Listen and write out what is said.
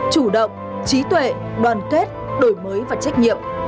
chủ động trí tuệ đoàn kết đổi mới và trách nhiệm